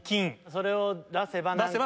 それを出せば。